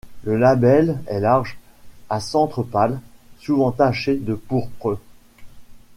Le labelle est large, à centre pâle, souvent taché de pourpre.